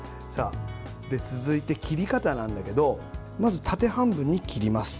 続いて、切り方なんだけどまず縦半分に切ります。